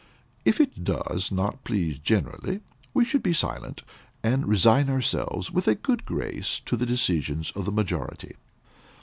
If it does not please generally, we should be silent, and resign ourselves with a good grace to the decisions of the majority.